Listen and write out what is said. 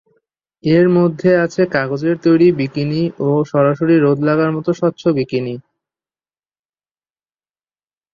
এর মধ্যে আছে কাগজের তৈরি বিকিনি ও সরাসরি রোদ লাগার মতো স্বচ্ছ বিকিনি।